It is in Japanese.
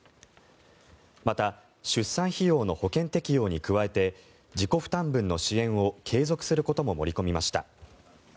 また、出産費用の保険適用に加えて自己負担分の支援を継続することも盛り込みました。